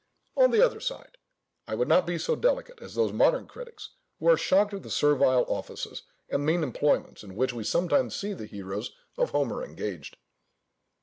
On the other side, I would not be so delicate as those modern critics, who are shocked at the servile offices and mean employments in which we sometimes see the heroes of Homer engaged.